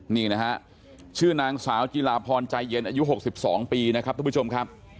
นี่นะฮะชื่อนางสาวจิลาพรใจเย็นอายุ๖๒ปีนะครับทุกผู้ชมครับ